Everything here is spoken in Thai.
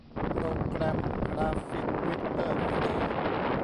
โปรแกรมกราฟิกเวกเตอร์ฟรี